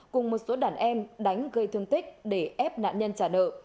cùng một số đàn em đánh gây thương tích để ép nạn nhân trả nợ